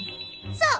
そう！